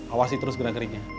awasi terus gerak geriknya